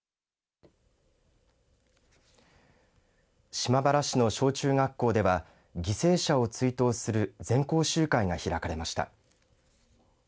島原市の小中学校では犠牲者を追悼する全校集会が開かれました。